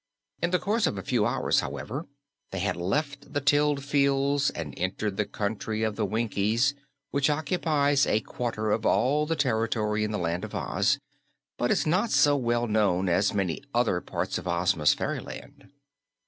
In the course of a few hours, however, they had left the tilled fields and entered the Country of the Winkies, which occupies a quarter of all the territory in the Land of Oz but is not so well known as many other parts of Ozma's fairyland.